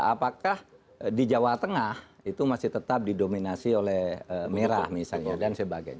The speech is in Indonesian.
apakah di jawa tengah itu masih tetap didominasi oleh merah misalnya dan sebagainya